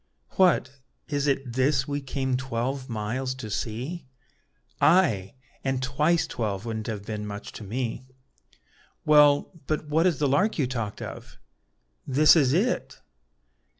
"What, is it this we came twelve miles to see?" "Ay! and twice twelve wouldn't have been much to me." "Well, but what is the lark you talked of?" "This is it."